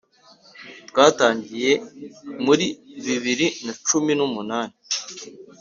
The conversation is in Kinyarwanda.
Twatangiye muri bibiri na cumi n’umunani,